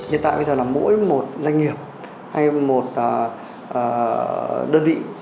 hiện tại bây giờ là mỗi một doanh nghiệp hay một đơn vị